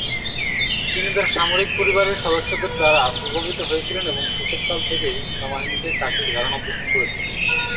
তিনি তাঁর সামরিক পরিবারের সদস্যদের দ্বারা প্রভাবিত হয়েছিলেন এবং শৈশবকাল থেকেই সেনাবাহিনীতে চাকরির ধারণা পোষণ করেছিলেন।